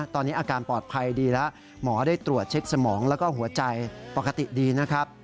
ตอนนี้อาการปลอดภัยดีแล้วหมอได้ตรวจเช็คสมองแล้วก็หัวใจปกติดีนะครับ